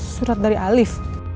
surat dari alief